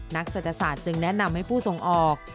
นักเศรษฐศาสตร์จึงแนะนำให้ผู้ส่งออก